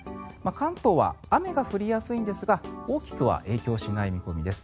関東は雨が降りやすいんですが大きくは影響しない見込みです。